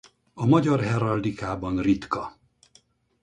A magyar heraldikában ritka.